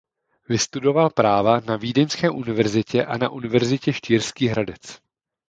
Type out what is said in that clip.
Vystudoval práva na Vídeňské univerzitě a na Univerzitě Štýrský Hradec.